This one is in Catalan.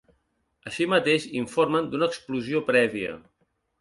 Així mateix, informen d’una explosió prèvia.